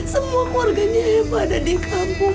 semua keluarganya eva ada di kampung